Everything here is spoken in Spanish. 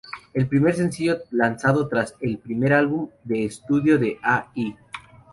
El primer sencillo lanzado tras el primer álbum de estudio de Ai.